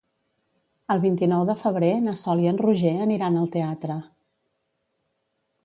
El vint-i-nou de febrer na Sol i en Roger aniran al teatre.